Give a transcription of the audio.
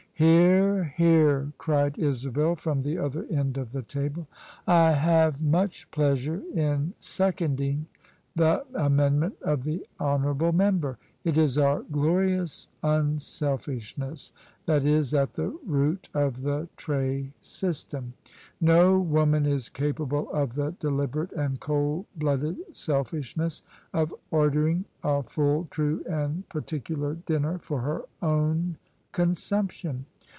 "Hear, hearl" cried Isabel from the other end of the table. " I have much pleasure in seconding the amendment of the honourable member. It is our glorious unselfishness that is at the root of the tray system: no woman is capable of the deliberate and cold blooded selfishness of ordering a full, true and particular dinner for her own consumption.